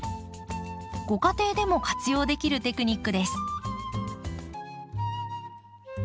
ご家庭でも活用できるテクニックです。